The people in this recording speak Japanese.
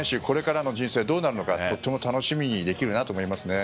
これからの人生どうなるのかとても楽しみにできるなと思います。